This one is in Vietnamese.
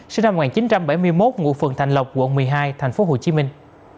sinh năm một nghìn chín trăm bảy mươi một ngụ phường thành lộc quận một mươi hai thành phố hồ chí minh